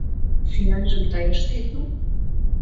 Сӱанжым тый ыштет мо?